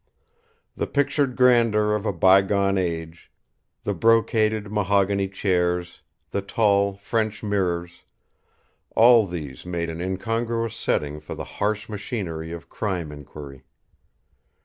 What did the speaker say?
The pictured grandeur of a bygone age, the brocaded mahogany chairs, the tall French mirrors all these made an incongruous setting for the harsh machinery of crime inquiry.